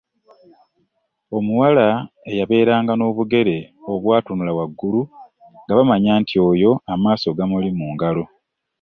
Omuwala eyabeeranga n'obugere obwatunula waggulu nga bamanya nti oyo amaaso ga muli mu ngalo.